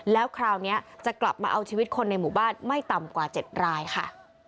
แล้วคราวนี้จะกลับมาเอาชีวิตคนในหมู่บ้านไม่ต่ำกว่า๗รายค่ะ